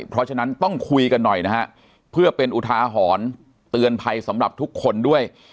เพราะฉะนั้นต้องคุยกันหน่อยนะฮะเพื่อเป็นอุทาหรณ์เตือนภัยสำหรับทุกคนด้วย